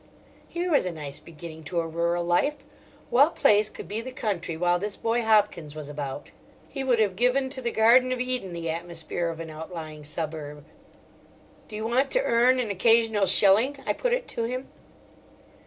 Here was a nice beginning to a rural life! What place could be the country while this boy Hopkins was about? He would have given to the Garden of Eden the atmosphere of an outlying suburb. "Do you want to earn an occasional shilling?" I put it to him.